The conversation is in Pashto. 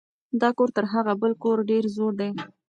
دا کور تر هغه بل کور ډېر زوړ دی.